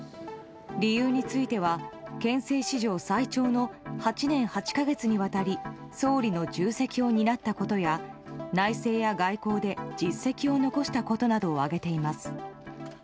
理由については憲政史上最長の８年８か月にわたり総理の重責を担ったことや内政や外交で実績を残したことなどを挙げています。